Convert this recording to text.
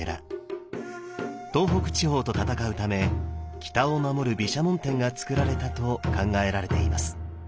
東北地方と戦うため北を守る毘沙門天がつくられたと考えられています。